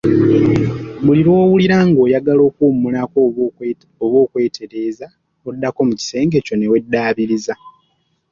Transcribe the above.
Buli lw‘owulira ng‘oyagala okuwummulako oba okwetereza oddako mu kisenge kyo ne weddabiriza.